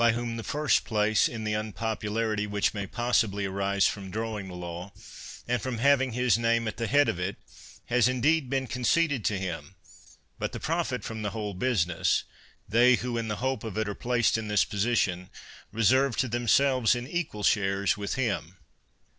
76 CICERO whom the first place m the unpopularity which may possibly arise from drawing the law, and from having his name at the head of it, has in deed been conceded to him, but the profit from the whole business, they, who in the hope of it are placed in this position, reserw to them selves in equal shares with him.